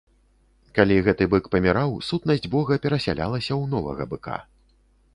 Калі гэты бык паміраў, сутнасць бога перасялялася ў новага быка.